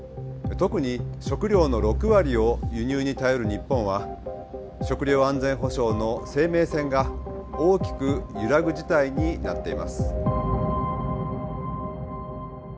特に食料の６割を輸入に頼る日本は食料安全保障の生命線が大きく揺らぐ事態になっています。